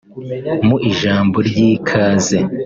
Mu ijambo ry’ikaze